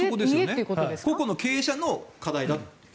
個々の経営者の課題だと。